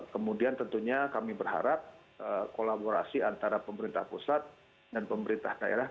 kemudian tentunya kami berharap kolaborasi antara pemerintah pusat dan pemerintah daerah